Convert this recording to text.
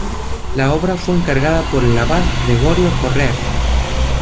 La obra fue encargada por el abad Gregorio Correr.